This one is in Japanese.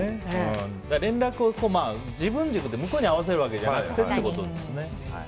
連絡を自分軸で向こうに合わせるわけじゃないってことですね。